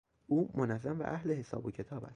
او منظم و اهل حساب و کتاب است.